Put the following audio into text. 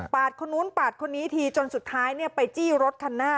คนนู้นปาดคนนี้ทีจนสุดท้ายไปจี้รถคันหน้า